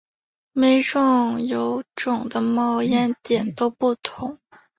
每种油种的冒烟点都不同。